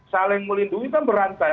saling melindungi kan berantai